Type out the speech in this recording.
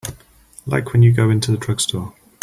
Like when you go into a drugstore.